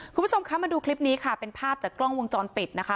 คุณผู้ชมคะมาดูคลิปนี้ค่ะเป็นภาพจากกล้องวงจรปิดนะคะ